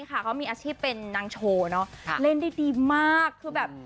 คุณพ่อสาวส่อ